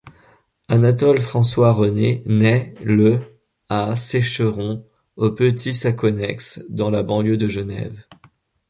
Anatole François René nait le à Sécheron, au Petit-Saconnex, dans la banlieue de Genève.